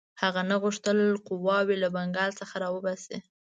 هغه نه غوښتل قواوې له بنګال څخه را وباسي.